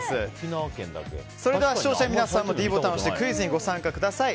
それでは、視聴者の皆さんもｄボタンを押してご参加ください。